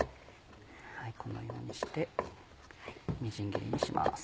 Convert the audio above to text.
このようにしてみじん切りにします。